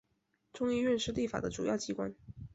众议院是立法的主要机关。